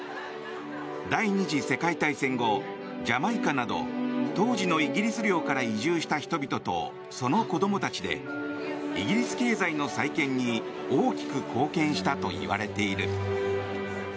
第２次世界大戦後ジャマイカなど当時のイギリス領から移住した人々と、その子供たちでイギリス経済の再建に大きく貢献したといわれている。